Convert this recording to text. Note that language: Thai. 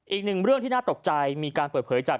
อีกหนึ่งเรื่องที่น่าตกใจมีการเปิดเผยจาก